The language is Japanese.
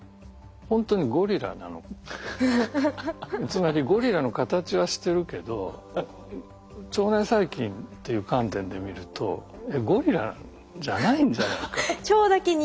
つまりゴリラの形はしてるけど腸内細菌っていう観点で見るとえっゴリラじゃないんじゃないか。